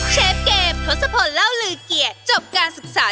เชฟเกมทศพลเล่าลือเกียรติจบการศึกษา